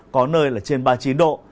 có nơi là trên ba mươi chín độ